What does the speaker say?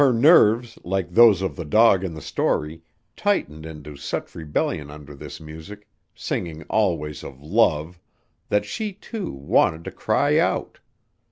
Her nerves like those of the dog in the story tightened into such rebellion under this music, singing always of love, that she, too, wanted to cry out.